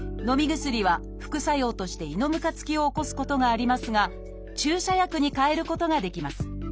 薬は副作用として「胃のむかつき」を起こすことがありますが注射薬にかえることができます。